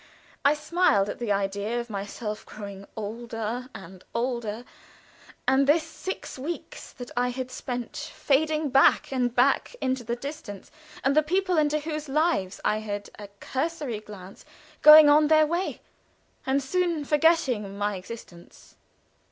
I smiled at the idea of myself growing older and older, and this six weeks that I had spent fading back and back into the distance, and the people into whose lives I had a cursory glance going on their way, and soon forgetting my existence.